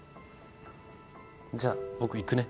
じゃ僕行くね。